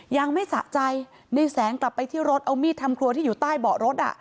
ยังไม่สะใจในแสงกลับไปที่รถเอามีดทำครัวที่อยู่ใต้เบาะรถ